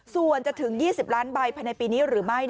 ส่วนจะถึง๒๐ล้านใบภายในปีนี้หรือไม่